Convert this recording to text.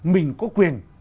mình có quyền